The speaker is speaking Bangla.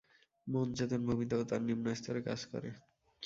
মন চেতন-ভূমিতে ও তার নিম্নস্তরে কাজ করে।